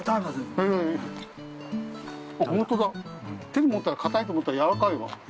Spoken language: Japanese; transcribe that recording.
手に持ったらかたいと思ったけどやわらかいわ。